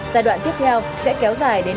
giai đoạn tiếp theo sẽ kéo dài đến